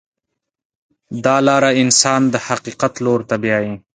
دا لاره انسان د حقیقت لور ته بیایي.